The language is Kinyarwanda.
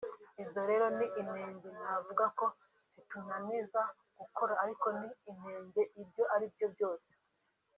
Izo rero ni inenge ntavuga ko zitunaniza gukora ariko ni inenge ibyo ari byo byose